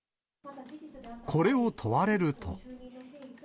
これを問われると。